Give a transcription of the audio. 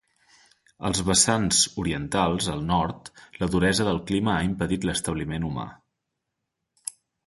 Als vessants orientats al nord la duresa del clima ha impedit l'establiment humà.